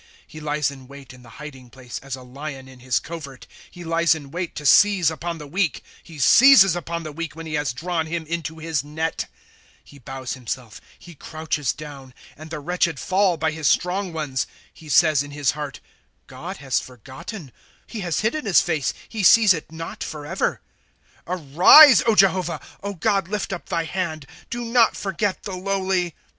' He lies m wait in the hiding place as a lion in his covert ; He hes in wait to seize upon the weak ; He seizes upou the weak when he has drawn him into his net. 1" He bows himself, he crouches down. And the wretched fall by his strong ones. " He says in his heart : God has forgotten ; He has hidden his face, he sees it not forever. ^^ Arise, Jehovah ; God, lift up thy hand ; Do not forget the lowly.